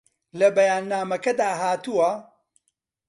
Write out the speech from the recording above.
لە بەیاننامەکەدا هاتووە